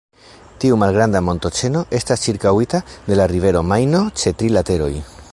Tiu malgranda montoĉeno estas ĉirkaŭita de la rivero Majno ĉe tri lateroj.